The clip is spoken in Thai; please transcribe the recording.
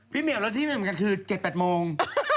เหมียวแล้วที่มีเหมือนกันคือ๗๘โมง